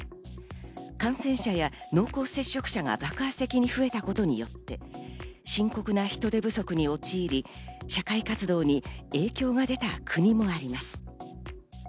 感染者や濃厚接触者が爆発的に増えたことによって、深刻な人手不足に陥り、社会活動に影響が出た国もあります。